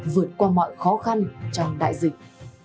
vượt qua mọi khó khăn trong đại dịch